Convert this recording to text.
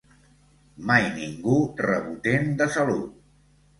Mai ningú rebotent de salut